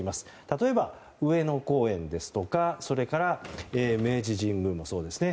例えば、上野公園ですとか明治神宮もそうですね。